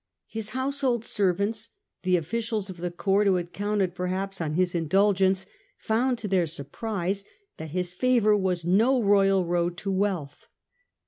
His household servants, the ofBcials of the court, who had counted perhaps on his indulgence, found to their surprise that his favour was no royal road to wealth.